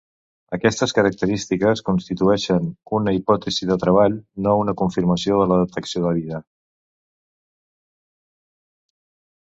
Aquestes característiques constitueixen una hipòtesi de treball, no una confirmació de la detecció de vida.